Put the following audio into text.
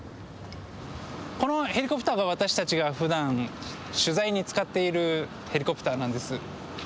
このヘリコプターが私たちがふだん取材に使っているヘリコプターなんです。